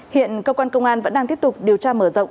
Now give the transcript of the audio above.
hiện cơ quan công an vẫn đang tiếp tục điều tra mở rộng